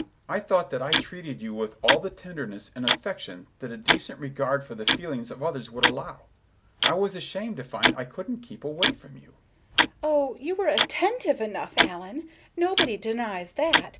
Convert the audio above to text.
I thought that I treated you with all the tenderness and affection that a decent regard for the feelings of others would allow. I was ashamed to find I couldn't keep away from you." Miss Galbraith: "Oh, you were attentive enough, Allen; nobody denies that.